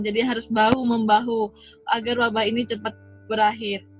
jadi harus bahu membahu agar wabah ini cepat berakhir